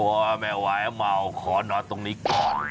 โอ้แม่วายเมาขอนอนตรงนี้ก่อน